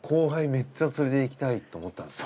めっちゃ連れて行きたいって思ったんすよ。